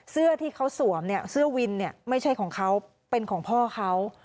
เสื้อที่เขาสวมเสื้อวินไม่ใช่ของเขาเป็นของพ่อเขา